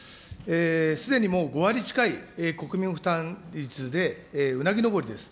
すでにもう５割近い国民負担率でうなぎのぼりです。